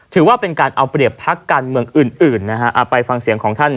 ถือว่าเป็นการเอาเปรียบพักการเมืองอื่นอื่นนะฮะไปฟังเสียงของท่าน